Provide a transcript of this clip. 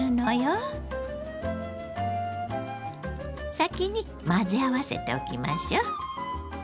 先に混ぜ合わせておきましょ。